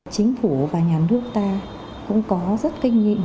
chính phủ và nhà nước ta cũng có rất kinh nghiệm